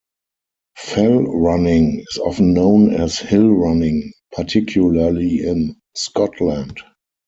Fell running is often known as hill running, particularly in Scotland.